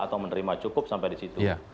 atau menerima cukup sampai di situ